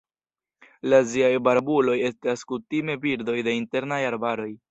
La aziaj barbuloj estas kutime birdoj de internaj arbaroj.